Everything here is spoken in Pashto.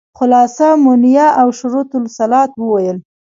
خلاصه مونيه او شروط الصلاة وويل.